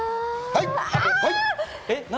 はい！